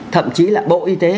thậm chí là bộ y tế